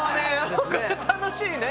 楽しいね。